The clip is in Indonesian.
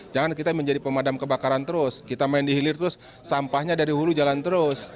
jangan kita menjadi pemadam kebakaran terus kita main di hilir terus sampahnya dari hulu jalan terus